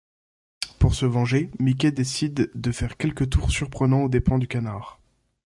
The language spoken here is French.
Pour se venger, Mickey décide de faire quelques tours surprenants aux dépens du canard.